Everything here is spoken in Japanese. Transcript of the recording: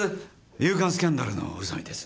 『夕刊スキャンダル』の宇佐美です。